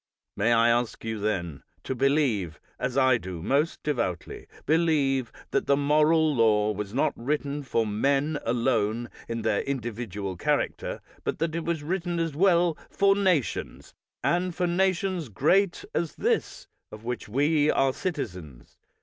May I ask you, then, to believe, as I do most devoutly believe, that the moral law was not written for men alone in their individual char acter, but that it was written as well for nations, and for nations great as this of which we are citizens.